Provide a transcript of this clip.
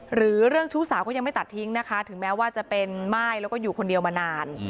หรือเรื่องชู้สาวก็ยังไม่ตัดทิ้งนะคะถึงแม้ว่าจะเป็นม่ายแล้วก็อยู่คนเดียวมานาน